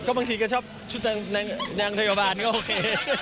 บางทีก็ชอบชุดนางพยาบาลก็โอเค